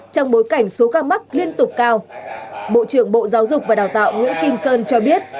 trong bối cảnh số ca mắc liên tục cao bộ trưởng bộ giáo dục và đào tạo nguyễn kim sơn cho biết